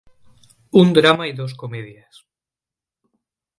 Un drama y dos comedias.